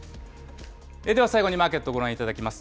では最後にマーケットをご覧いただきます。